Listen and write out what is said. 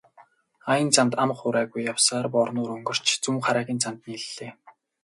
Аян замд ам хуурайгүй явсаар Борнуур өнгөрч Зүүнхараагийн замд нийллээ.